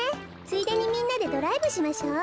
ついでにみんなでドライブしましょう。